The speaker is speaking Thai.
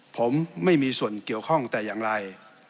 ผมไม่มีส่วนเกี่ยวข้องแต่อย่างไร